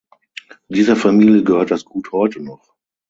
Dieser Familie gehört das Gut heute noch.